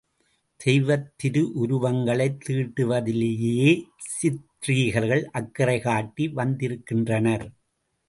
தெய்வத் திருவுருவங்களைத் தீட்டுவதிலேயே சித்ரீகர்கள் அக்கறை காட்டி வந்திருக்கின்றனர்.